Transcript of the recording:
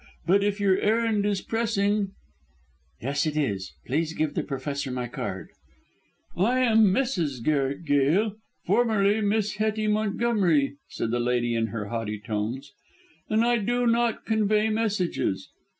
But if your errand is pressing " "Yes, it is. Please give the Professor my card." "I am Mrs. Garrick Gail, formerly Miss Hettie Montgomery," said the lady in haughty tones, "and I do not convey messages.